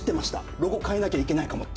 ロゴ変えなきゃいけないかもって。